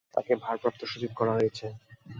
তাঁকে ভারপ্রাপ্ত সচিব করা হয়েছে।